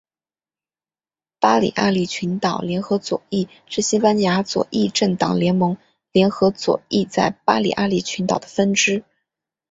巴利阿里群岛联合左翼是西班牙左翼政党联盟联合左翼在巴利阿里群岛的分支。